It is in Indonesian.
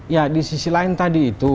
ya di sisi lain tadi itu